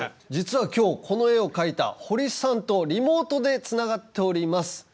実は今日この絵を描いた堀さんとリモートでつながっております。